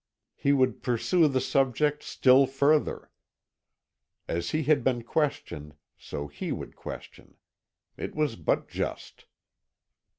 He would pursue the subject still further. As he had been questioned, so he would question. It was but just.